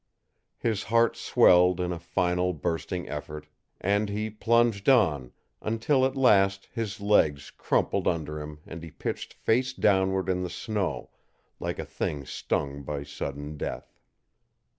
His heart swelled in a final bursting effort, and he plunged on, until at last his legs crumpled under him and he pitched face downward in the snow, like a thing stung by sudden death.